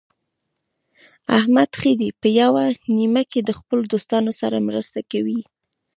احمد ښه دی په یوه نیمه کې د خپلو دوستانو سره مرسته کوي.